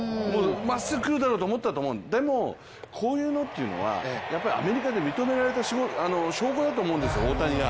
まっすぐくるだろうと思っただろうけどでもこういうのっていうのはアメリカで認められた証拠だと思うんですよ、大谷が。